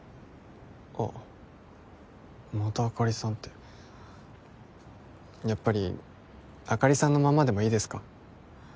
あまたあかりさんってやっぱりあかりさんのままでもいいですか？